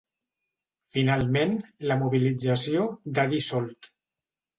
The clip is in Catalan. Finalment, la mobilització d’ha dissolt.